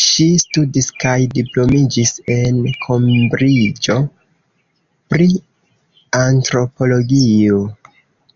Ŝi studis kaj diplomiĝis en Kembriĝo pri antropologio.